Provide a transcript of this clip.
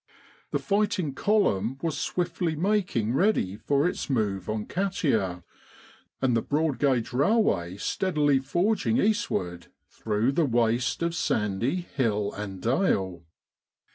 The fighfing column was swiftly making ready for its move on Katia, and the broad gauge railway steadily forging eastward through the waste of sandy hill and dale.